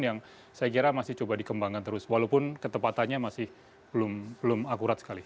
yang saya kira masih coba dikembangkan terus walaupun ketepatannya masih belum akurat sekali